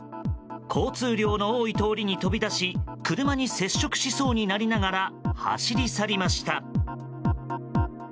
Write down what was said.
交通量の多い通りに飛び出し車に接触しそうになりながら走り去りました。